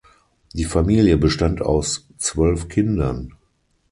Die Familie bestand aus zwölf Kindern.